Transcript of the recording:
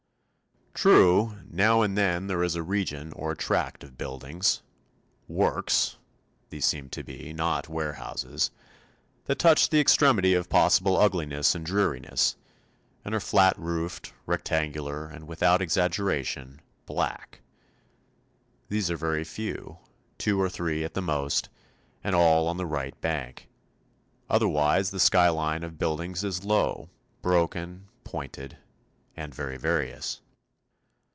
True, now and then there is a region or tract of buildings 'works,' these seem to be, not warehouses that touch the extremity of possible ugliness and dreariness, and are flat roofed, rectangular, and, without exaggeration, black. These are very few two or three at the most and all on the right bank. Otherwise the skyline of buildings is low, broken, pointed, and very various.